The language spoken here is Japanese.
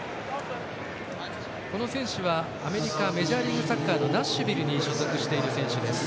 この選手は、アメリカメジャーリーグサッカーのナッシュビルに所属している選手。